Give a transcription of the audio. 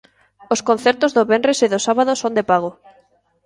Os concertos do venres e do sábado son de pago.